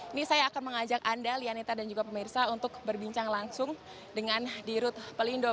ini saya akan mengajak anda lianita dan juga pemirsa untuk berbincang langsung dengan dirut pelindo